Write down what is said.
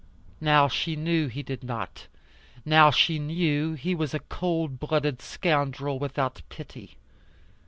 Now, she knew he did not. Now, she knew he was a cold blooded scoundrel, without pity.